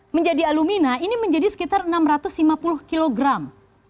menjadi alumina ini menjadi sekitar enam ratus lima puluh kilogram